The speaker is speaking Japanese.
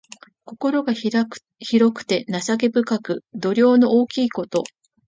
心が広くて情け深く、度量の大きいこと。